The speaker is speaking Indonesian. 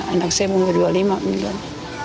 anak saya umur dua lima meninggal